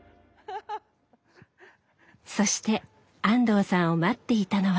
そして安藤さんを待っていたのは。